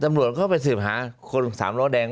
ตำรวจเข้าไปสืบหาคนสามล้อแดง